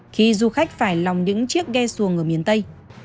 khi du khách phải lòng những chiếc ghe xuồng ở miền tây